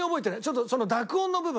ちょっと濁音の部分。